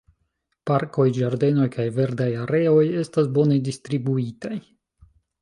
Parkoj, ĝardenoj kaj verdaj areoj estas bone distribuitaj.